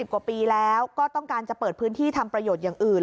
กว่าปีแล้วก็ต้องการจะเปิดพื้นที่ทำประโยชน์อย่างอื่น